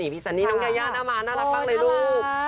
พี่ซันนี่น้องยายาหน้าม้าน่ารักมากเลยลูก